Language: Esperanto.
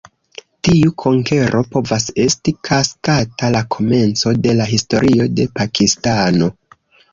Tiu konkero povas esti taksata la komenco de la historio de Pakistano.